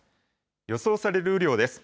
予想される雨量です。